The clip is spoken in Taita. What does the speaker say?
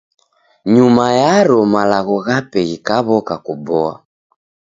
Nyuma yaro malagho ghape ghikaw'oka kuboa.